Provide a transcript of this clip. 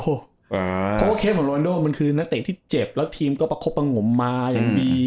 เพราะว่าเคสของโรนโดมันคือนักเตะที่เจ็บแล้วทีมก็ประคบประงมมาอย่างดี